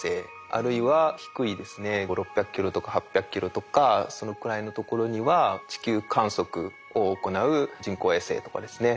あるいは低いですね５００６００ｋｍとか８００ｋｍとかそのくらいのところには地球観測を行う人工衛星とかですね